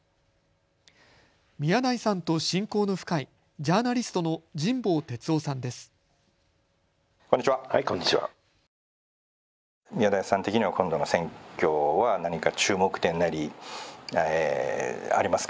宮台さんと親交の深いジャーナリストの神保哲生さんです。